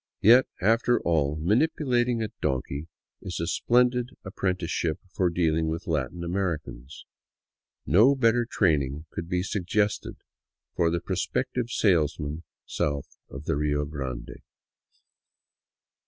Yet, after all, manipulating a donkey is a splendid ap prenticeship for dealing with Latin Americans; no better training could be suggested for the prospective salesman south of the Rio Grande.